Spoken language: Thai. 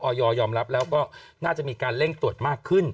ยอมรับแล้วก็น่าจะมีการเร่งตรวจมากขึ้น